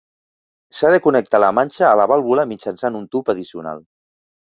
S'ha de connectar la manxa a la vàlvula mitjançant un tub addicional.